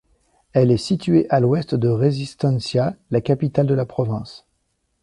Elle est située à à l'ouest de Resistencia, la capitale de la province.